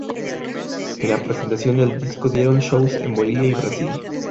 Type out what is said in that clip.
En la presentación del disco dieron shows en Bolivia y Brasil.